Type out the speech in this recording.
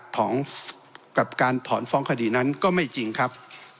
กับการถอนฟ้องคดีนั้นก็ไม่จริงครับ